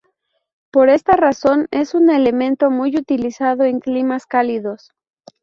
Por esta razón, es un elemento muy utilizado en climas cálidos.